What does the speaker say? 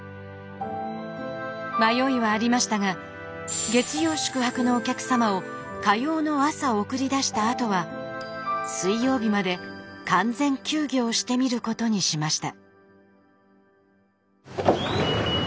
迷いはありましたが月曜宿泊のお客様を火曜の朝送り出したあとは水曜日まで完全休業してみることにしました。